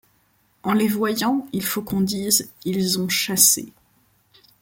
En les voyant, il faut qu'on dise : -Ils ont chassé